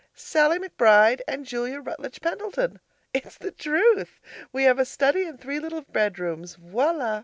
Sallie McBride and Julia Rutledge Pendleton. It's the truth. We have a study and three little bedrooms VOILA!